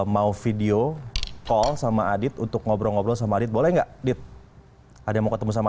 mau video call sama adit untuk ngobrol ngobrol sama adit boleh nggak dit ada yang mau ketemu sama